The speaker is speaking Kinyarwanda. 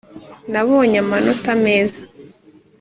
Nabonye amanota meza